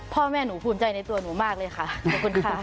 พ่อแม่หนูภูมิใจในตัวหนูมากเลยค่ะขอบคุณค่ะ